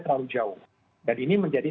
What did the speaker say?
terlalu jauh dan ini menjadi